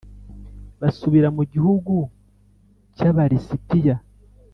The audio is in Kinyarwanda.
basubira mu gihugu cy Aba lisitiya